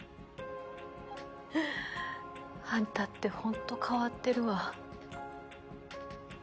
はぁあんたってほんと変わってるわ。